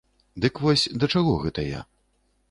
Дык вось, да чаго гэта я?